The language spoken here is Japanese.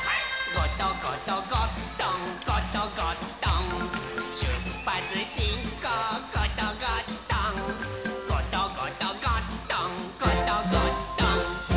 「ゴトゴトゴットンゴトゴットン」「しゅっぱつしんこうゴトゴットン」「ゴトゴトゴットンゴトゴットン」